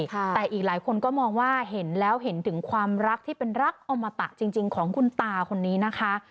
แต่อีกหลายคนก็มองว่าเห็นแล้วเห็นถึงความรักที่เป็นรักอมตะจริงของคุณตาคนนี้นะคะ